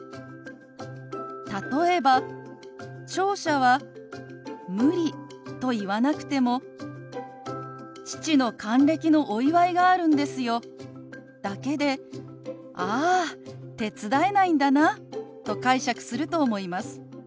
例えば聴者は「無理」と言わなくても「父の還暦のお祝いがあるんですよ」だけで「ああ手伝えないんだな」と解釈すると思います。